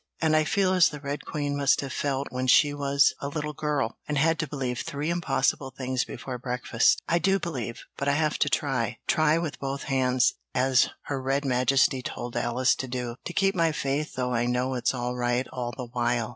And I feel as the Red Queen must have felt when she was a little girl, and had to believe three impossible things before breakfast. I do believe, but I have to try try with both hands, as Her Red Majesty told Alice to do to keep my faith, though I know it's all right all the while.